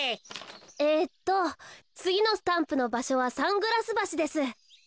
えっとつぎのスタンプのばしょはサングラスばしです。